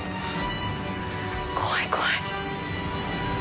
怖い怖い。